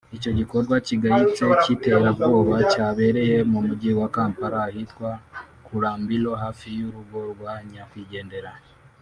Icyo gikorwa kigayitse cy’iterabwoba cyabereye mu mujyi wa Kampala ahitwa Kulambiro hafi y’urugo rwa nyakwigendera